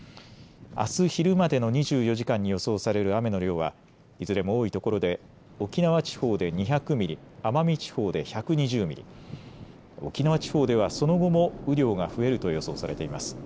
あす昼までの２４時間に予想される雨の量はいずれも多いところで沖縄地方で２００ミリ、奄美地方で１２０ミリ、沖縄地方ではその後も雨量が増えると予想されています。